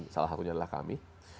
salah akunya adalah kami